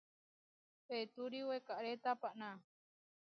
Peturi wekaré tapaná.